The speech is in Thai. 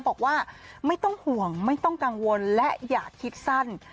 บอกว่าไม่ต้องห่วงไม่ต้องกังวลและอย่าคิดสั้น